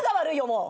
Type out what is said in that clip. もう。